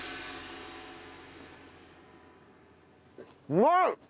うまい！